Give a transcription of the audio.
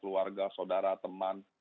keluarga saudara teman